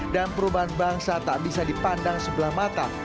dan perubahan bangsa tak bisa dipandang sebelah mata